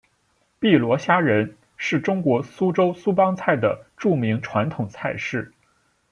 碧螺虾仁是中国苏州苏帮菜的著名传统菜式。